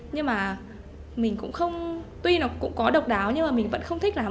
nhưng mà mình cũng không tuy nó cũng có độc đáo nhưng mà mình vẫn không thích lắm